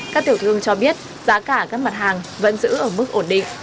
các tiểu thương cho biết giá cả các mặt hàng vẫn giữ ở mức ổn định